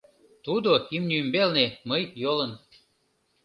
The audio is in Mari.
Тудо — имне ӱмбалне, мый — йолын.